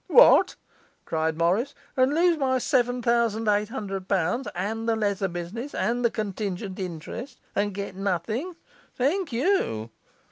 'What?' cried Morris, 'and lose my seven thousand eight hundred pounds, and the leather business, and the contingent interest, and get nothing? Thank you.